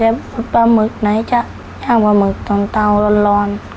แล้วปลาหมึกไหนจะย่างปลาหมึกตอนเตาร้อน